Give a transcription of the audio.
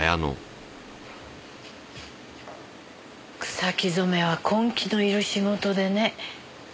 草木染めは根気のいる仕事でね。